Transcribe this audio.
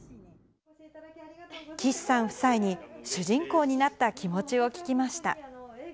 岸さん夫妻に主人公になった気持ちを聞きました。